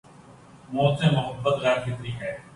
موت سے محبت غیر فطری ہے۔